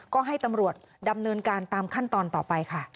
ก็ให้ตำรวจดำเนินการตามขั้นตอนต่อไปค่ะ